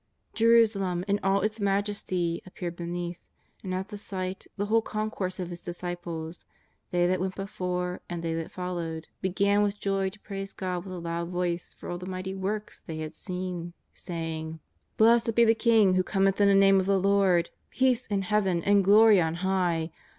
Jeru salem in all its majesty appeared beneath, and at the sight the whole concourse of His disciples, they that went before and they that followed, began with joy to praise God with a loud voice for all the mighty works they had seen, saying: " Blessed be the King who cometh in the name of the Lord, peace in Heaven and glory on high!